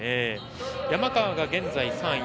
山川が現在３位。